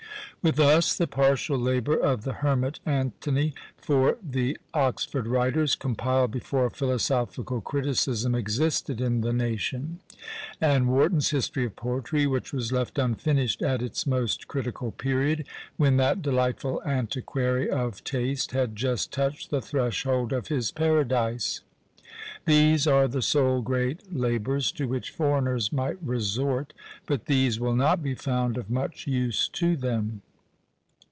With us, the partial labour of the hermit Anthony for the Oxford writers, compiled before philosophical criticism existed in the nation; and Warton's History of Poetry, which was left unfinished at its most critical period, when that delightful antiquary of taste had just touched the threshold of his Paradise these are the sole great labours to which foreigners might resort, but these will not be found of much use to them.